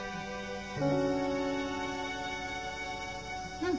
うん。